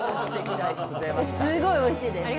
すごいおいしいです。